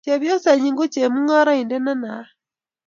chepyosenyin ko chemung'aret ne naaka